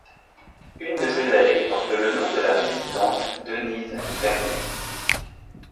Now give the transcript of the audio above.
Une de ses allées porte le nom de la résistante Denise Vernay.